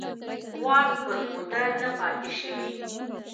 واک پر موده نه پاتې شوي.